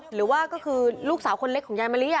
หรือว่าก็คือลูกสาวคนเล็กของยายมะลิ